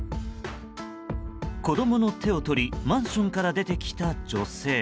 子供の手を取りマンションから出てきた女性。